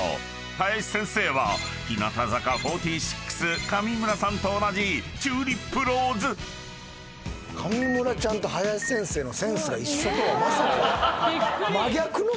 ［林先生は「日向坂４６」上村さんと同じチューリップローズ］上村ちゃんと林先生の。